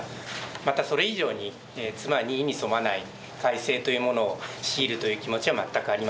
またそれ以上に妻に意に添わない改姓というものを強いるという気持ちは全くありませんでした。